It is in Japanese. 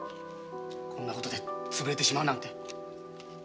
こんなことで潰れてしまうなんて。